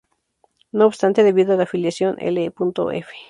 No obstante, debido a la filiación 'L.f.